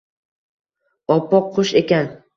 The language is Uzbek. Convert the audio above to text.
oppoq qush ekan